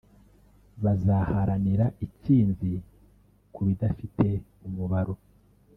bazaharanira itsinzi ku bidafite umubaro